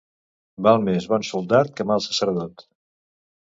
Val més bon soldat que mal sacerdot.